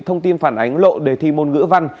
thông tin phản ánh lộ đề thi môn ngữ văn